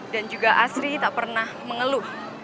dan juga asri tak pernah mengeluh